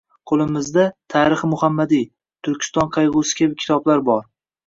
Qo‘limizda “Tarixi Muhammadiy”, “Turkiston qayg‘usi” kabi kitoblar bor.